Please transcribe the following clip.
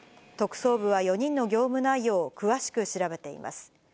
特捜部は４人の業務内容を詳しく調べています。